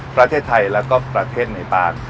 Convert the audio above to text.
ประเทศไทยและก็ประเทศไหนป่าน